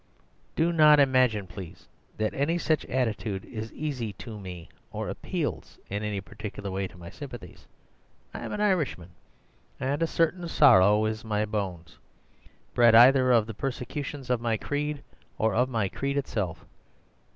"Do not imagine, please, that any such attitude is easy to me or appeals in any particular way to my sympathies. I am an Irishman, and a certain sorrow is in my bones, bred either of the persecutions of my creed, or of my creed itself.